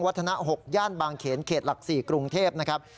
ธนา๖ย่านบางเขนเขตหลัก๔กรุงเทพนะครับ